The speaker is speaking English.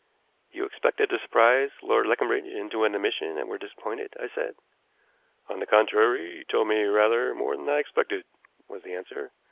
"You expected to surprise Lord Leconbridge into an admission and were disappointed?" I said. "On the contrary, he told me rather more than I expected," was the answer.